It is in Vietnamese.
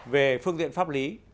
về phương tiện pháp lý